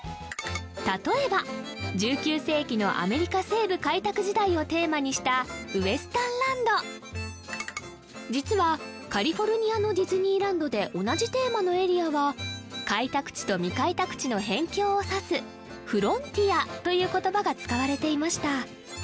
例えば１９世紀のアメリカ西部開拓時代をテーマにしたウエスタンランド実はカリフォルニアのディズニーランドで同じテーマのエリアは開拓地と未開拓地の辺境を指すフロンティアという言葉が使われていました